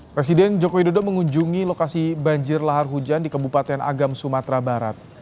presiden joko widodo mengunjungi lokasi banjir lahar hujan di kebupaten agam sumatera barat